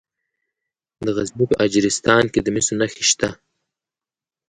د غزني په اجرستان کې د مسو نښې شته.